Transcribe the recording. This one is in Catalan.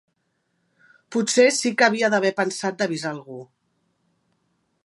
Potser sí que havia d'haver pensat d'avisar algú.